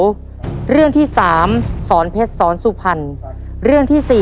๓ศรเผ็ดศรสุพันธ์